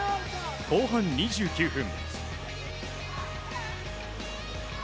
後半２９分。